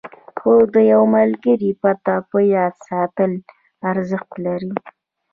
خو د یوه ملګري پته په یاد ساتل ارزښت لري.